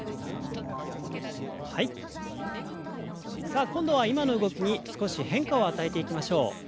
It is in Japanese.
さあ今度は今の動きに少し変化を与えていきましょう。